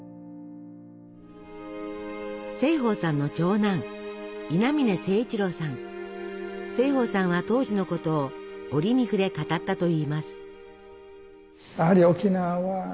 盛保さんの長男盛保さんは当時のことを折に触れ語ったといいます。